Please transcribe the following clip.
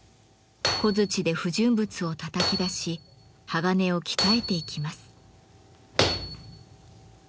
小づちで不純物をたたき出し鋼を鍛えていきます。